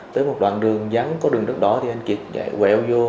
tới một đoạn đường dắn có đường đất đỏ thì anh kiệt quẹo vô